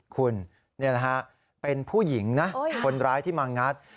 คุณเป็นผู้หญิงนะคนร้ายที่มางัด